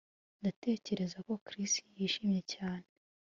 Ndatekereza ko Chris yishimye cyane